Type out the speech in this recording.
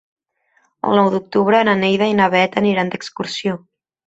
El nou d'octubre na Neida i na Bet aniran d'excursió.